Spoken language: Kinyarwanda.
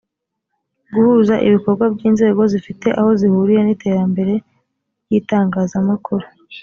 guhuza ibikorwa by inzego zifite aho zihuriye n iterambere ry itangazamakuru